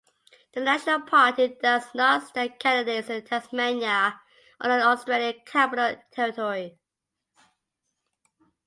The National Party does not stand candidates in Tasmania or the Australian Capital Territory.